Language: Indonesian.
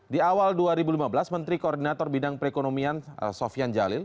di awal dua ribu lima belas menteri koordinator bidang perekonomian sofian jalil